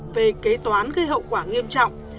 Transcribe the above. về kế toán gây hậu quả nghiêm trọng